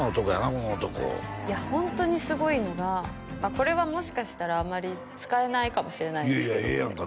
この男いやホントにすごいのがこれはもしかしたらあまり使えないかもしれないんですけどいやいやええやんか